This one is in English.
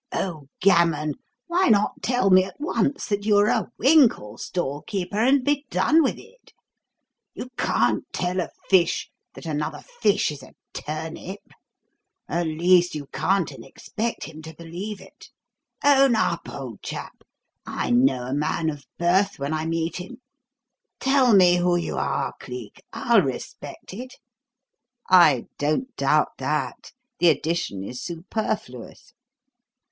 "Oh, gammon! Why not tell me at once that you are a winkle stall keeper and be done with it? You can't tell a fish that another fish is a turnip at least you can't and expect him to believe it. Own up, old chap. I know a man of birth when I meet him. Tell me who you are, Cleek I'll respect it." "I don't doubt that the addition is superfluous."